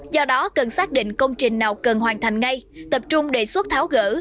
do đó cần xác định công trình nào cần hoàn thành ngay tập trung đề xuất tháo gỡ